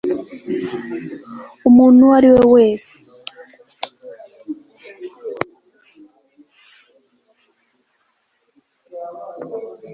umuntu uwo ari wese